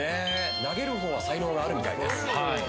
投げるほうは才能があるみたいです。